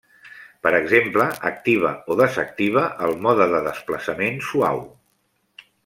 Per exemple, activa o desactiva el mode de desplaçament suau.